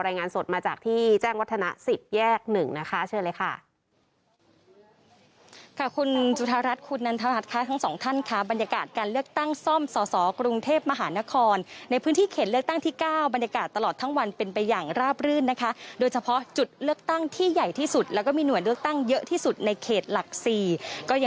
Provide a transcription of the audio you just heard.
รายงานสดมาจากที่แจ้งวัฒนะ๑๐แยก๑นะคะเชิญเลยค่ะ